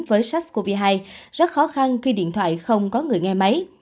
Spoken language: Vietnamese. với sars cov hai rất khó khăn khi điện thoại không có người nghe máy